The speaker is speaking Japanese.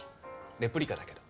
レプリカだけど。